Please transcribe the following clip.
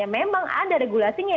memang ada regulasinya